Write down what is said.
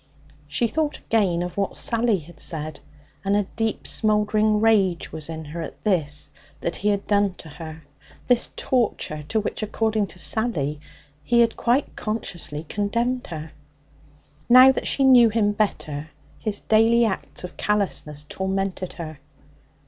She thought again of what Sally had said, and a deep, smouldering rage was in her at this that he had done to her this torture to which, according to Sally, he had quite consciously condemned her. Now that she knew him better, his daily acts of callousness tormented her.